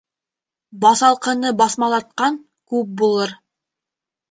Баҫалҡыны баҫмалатҡан күп булыр.